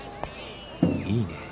いいねえ。